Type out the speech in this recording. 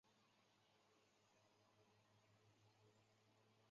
这些表演编辑成视频后在互联网上公布。